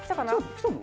来たの？